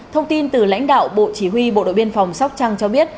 thông tin từ lãnh đạo bộ chỉ huy bộ đội biên phòng sóc trăng cho biết